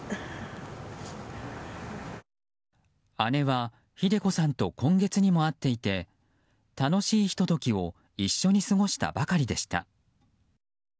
姉は秀子さんと今月にも会っていて楽しいひと時を一緒に過ごしたばかりでした。